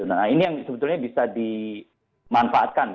nah ini yang sebetulnya bisa dimanfaatkan